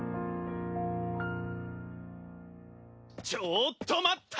・ちょっと待った！